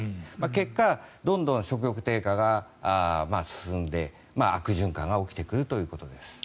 結果、どんどん食欲低下が進んで悪循環が起きてくるということです。